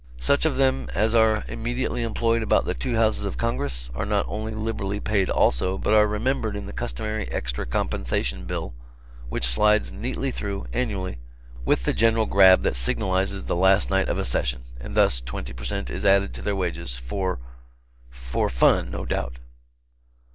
Such of them as are immediately employed about the two Houses of Congress, are not only liberally paid also, but are remembered in the customary Extra Compensation bill which slides neatly through, annually, with the general grab that signalizes the last night of a session, and thus twenty per cent. is added to their wages, for for fun, no doubt.